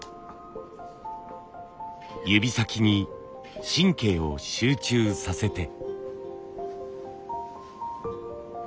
指先に神経を集中させて。